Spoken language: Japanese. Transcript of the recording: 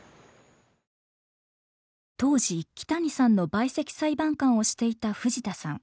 当時木谷さんの陪席裁判官をしていた藤田さん。